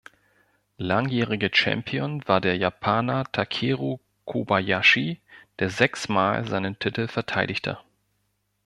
Langjähriger Champion war der Japaner Takeru Kobayashi, der sechsmal seinen Titel verteidigte.